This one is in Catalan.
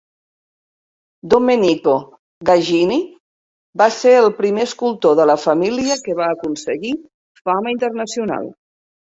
Domenico Gagini va ser el primer escultor de la família que va aconseguir fama internacional.